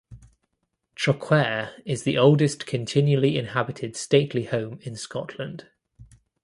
Traquair is the oldest continually inhabited stately home in Scotland.